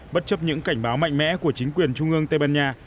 bất chấp những cảnh báo mạnh mẽ của chính quyền trung ương tây ban nha